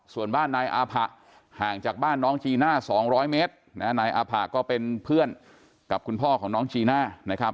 ส่วนบ้านนายอาผะห่างจากบ้านน้องจีน่า๒๐๐เมตรนายอาผะก็เป็นเพื่อนกับคุณพ่อของน้องจีน่านะครับ